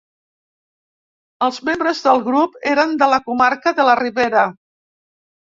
Els membres del grup eren de la comarca de la Ribera.